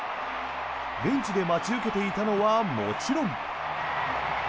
ベンチで待ち受けていたのはもちろん。